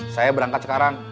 saya berangkat sekarang